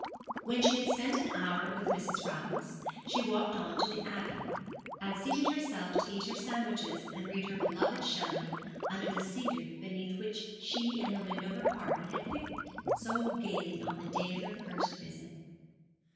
When she had spent an hour with Mrs. Rowse, she walked on to the Abbey, and seated herself to eat her sandwiches and read her beloved Shelley under the cedar beneath which she and the Wendover party had picnicked so gaily on the day of her first visit.